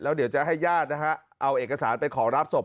เดี๋ยวจะให้ญาตินะฮะเอาเอกสารไปขอรับศพ